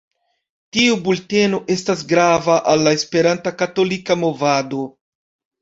Tiu bulteno estas grava al la Esperanta Katolika Movado.